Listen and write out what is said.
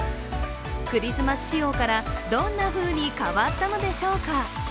クリスマス仕様からどんなふうに変わったのでしょうか。